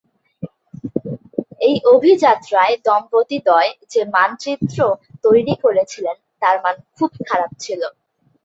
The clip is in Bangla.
এই অভিযাত্রায় দম্পতিদ্বয় যে মানচিত্র তৈরি করেছিলেন তার মান খুব খারাপ ছিল।